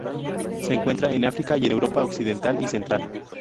Se encuentra en África y en Europa occidental y central.